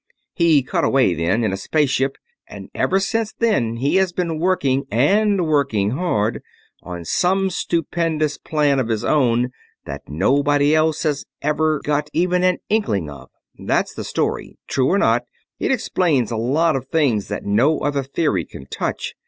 He cut away then in a space ship, and ever since then he has been working and working hard on some stupendous plan of his own that nobody else has ever got even an inkling of. That's the story. True or not, it explains a lot of things that no other theory can touch.